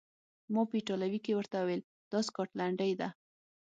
ما په ایټالوي کې ورته وویل: دا سکاټلنډۍ ده.